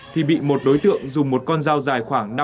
thì bị một đối tượng dùng một con dao dài khoảng